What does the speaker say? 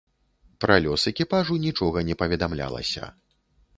Пра лёс экіпажу нічога не паведамлялася.